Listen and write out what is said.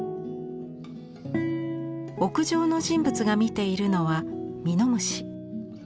屋上の人物が見ているのはミノムシ。